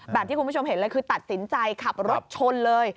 ที่คุณผู้ชมเห็นเลยคือตัดสินใจขับรถชนเลย